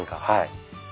はい。